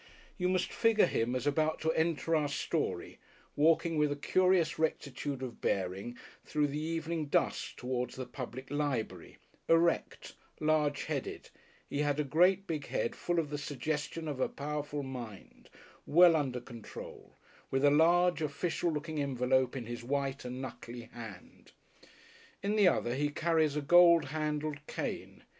You must figure him as about to enter our story, walking with a curious rectitude of bearing through the evening dusk towards the Public Library, erect, large headed he had a great, big head full of the suggestion of a powerful mind, well under control with a large, official looking envelope in his white and knuckly hand. In the other he carries a gold handled cane.